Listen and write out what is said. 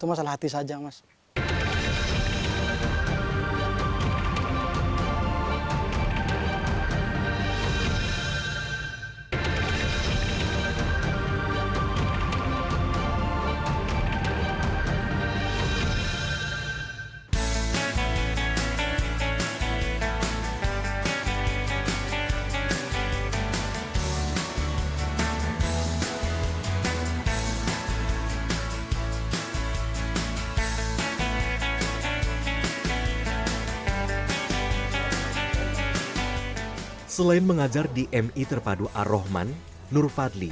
banyak temennya juga dari sini gitu